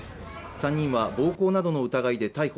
３人は暴行などの疑いで逮捕。